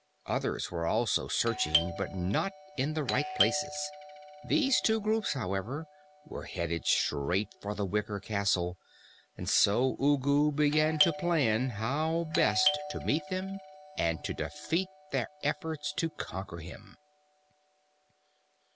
Others were also searching, but not in the right places. These two groups, however, were headed straight for the wicker castle, and so Ugu began to plan how best to meet them and to defeat their efforts to conquer him.